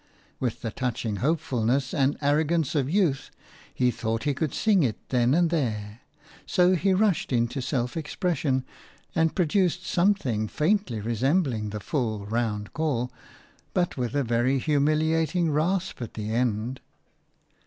With the touching hopefulness and arrogance of youth he thought he could sing it then and there. So he rushed into self expression, and produced something faintly resembling the full, round call, but with a very humiliating rasp at the end.